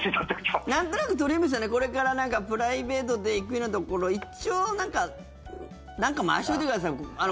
なんとなく鳥海さんこれからプライベートで行くようなところ一応なんか回しといてください。